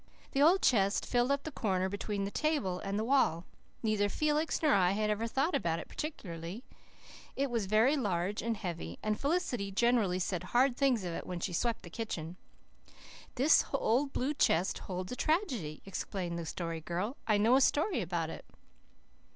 The old chest filled up the corner between the table and the wall. Neither Felix nor I had ever thought about it particularly. It was very large and heavy, and Felicity generally said hard things of it when she swept the kitchen. "This old blue chest holds a tragedy," explained the Story Girl. "I know a story about it."